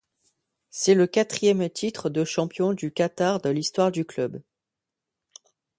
C'est le quatrième titre de champion du Qatar de l'histoire du club.